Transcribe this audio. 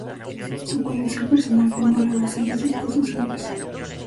Su colección personal formó la base de sus posesiones.